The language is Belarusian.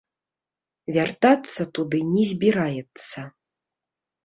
Вяртацца туды не збіраецца.